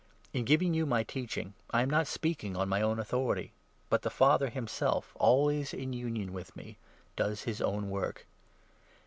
In giving you my teach ing I am not speaking on my own authority ; but the Father himself, always in union with me, does his own work.